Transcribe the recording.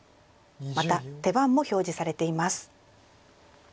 また手番も表示されています。